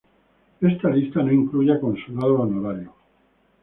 Esta lista no incluye a consulados honorarios.